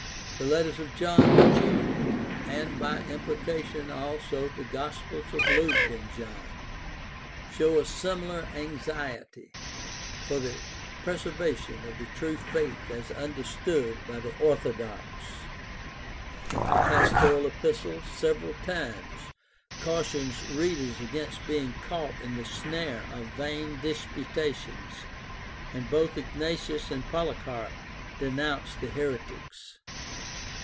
The letters of John and Jude, and by implication also the Gospels of Luke and John, show a similar anxiety for the preservation of the true faith as understood by the THE STUDY OF EARLY CHRISTIANITY 297 orthodox. The Pastoral Epistles several times caution readers against being caught in the snare of vain disputations, and both Ignatius and Polycarp denounce the heretics.